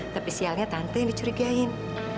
tapi sialnya tante yang dicurigain